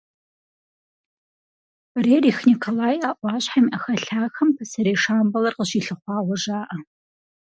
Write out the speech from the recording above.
Рерих Николай а Ӏуащхьэм и Ӏэхэлъахэм пасэрей Шамбалэр къыщилъыхъуауэ жаӀэ.